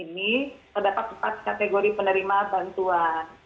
ini terdapat empat kategori penerima bantuan